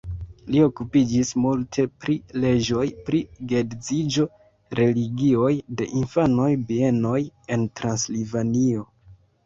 Li okupiĝis multe pri leĝoj pri geedziĝo, religioj de infanoj, bienoj en Transilvanio.